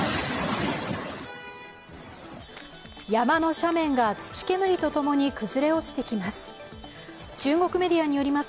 山の斜面が土煙と共に崩れ落ちてきます。